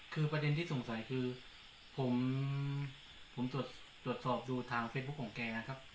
คือประเด็นที่จะสงสัยคือผมทรวจสอบดูทางเฟซบุ๊กของแก